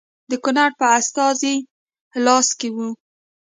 د ګورنر په استازي لاس کې وه.